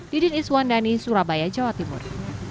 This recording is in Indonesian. didin iswandani surabaya jawa timur